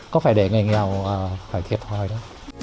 có phải để người nghèo phải thiệt hồi đó